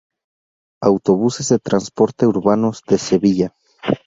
Autobuses de transporte urbano de Sevilla.